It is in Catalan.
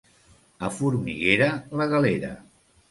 A Formiguera, la galera.